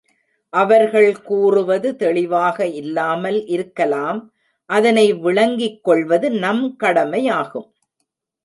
அவர்கள் கூறுவது தெளிவாக இல்லாமல் இருக்கலாம் அதனை விளங்கிக்கொள்வது நம் கடமையாகும்.